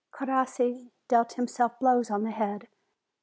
Crossi dealt himself blows on the head.